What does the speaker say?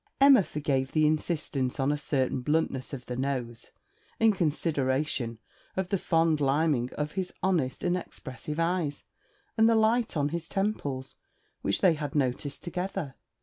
Emma forgave the insistance on a certain bluntness of the nose, in consideration of the fond limning of his honest and expressive eyes, and the 'light on his temples,' which they had noticed together.